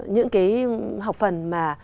những cái học phần mà